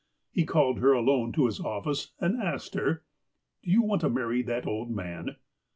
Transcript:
He called her alone to his office, and asked her :" Do you want to marry that old man